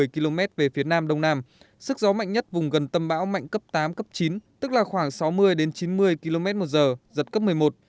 một mươi km về phía nam đông nam sức gió mạnh nhất vùng gần tâm bão mạnh cấp tám cấp chín tức là khoảng sáu mươi chín mươi km một giờ giật cấp một mươi một